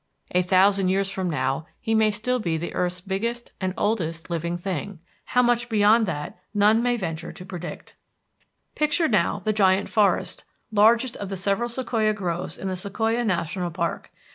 A thousand years from now he still may be the earth's biggest and oldest living thing; how much beyond that none may venture to predict. Picture, now, the Giant Forest, largest of the several sequoia groves in the Sequoia National Park.